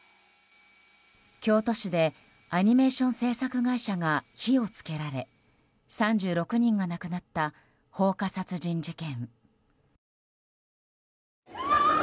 京都市でアニメーション制作会社が火を付けられ３６人が亡くなった放火殺人事件。